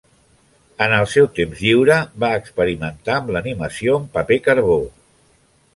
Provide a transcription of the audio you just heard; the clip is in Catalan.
En el seu temps lliure, va experimentar amb l'animació en paper carbó.